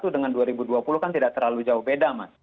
dengan dua ribu dua puluh kan tidak terlalu jauh beda mas